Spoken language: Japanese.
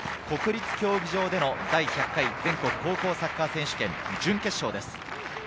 国立競技場での第１００回全国高校サッカー選手権準決勝です。